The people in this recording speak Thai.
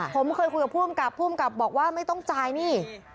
ผมเคยคุยกับพ่วงกลับพ่วงกลับบอกว่าไม่ต้องจ่ายนี่